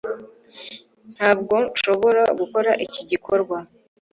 Ntabwo nshobora gukora iki gikorwa.